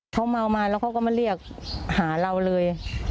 เขาเมามาแล้วเขาก็มาเรียกหาเราเลย